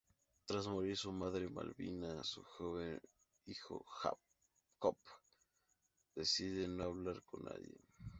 Tras morir su madre Malvina, su joven hijo Jakob decide no hablar con nadie.